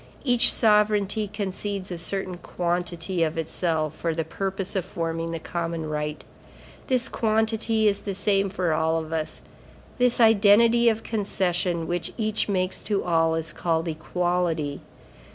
Each sovereignty concedes a certain quantity of itself, for the purpose of forming the common right. This quantity is the same for all of us. This identity of concession which each makes to all, is called Equality.